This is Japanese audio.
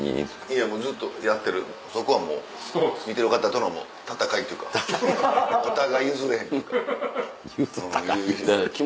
いやもうずっとやってるそこはもう見てる方との戦いっていうかお互い譲れへんっていうか。